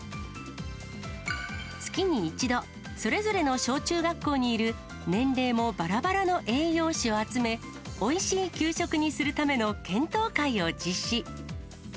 月に１度、それぞれの小中学校にいる年齢もばらばらの栄養士を集め、おいしい給食にするための検討会を実施。